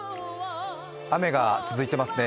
雨が続いてますね。